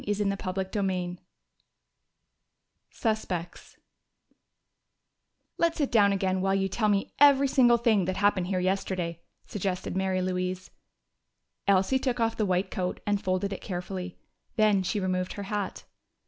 CHAPTER III Suspects "Let's sit down again while you tell me every single thing that happened here yesterday," suggested Mary Louise. Elsie took off the white coat and folded it carefully. Then she removed her hat.